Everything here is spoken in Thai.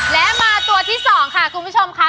และมาตัวที่๒ค่ะคุณผู้ชมค่ะ